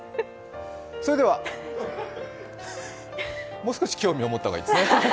もう少し興味を持ったほうがいいですね。